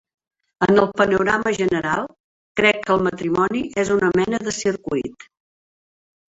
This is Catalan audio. En el panorama general, crec que el "matrimoni" és una mena de circuit.